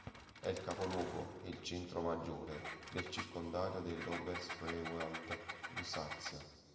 È il capoluogo, e il centro maggiore, del circondario dell'Oberspreewald-Lusazia.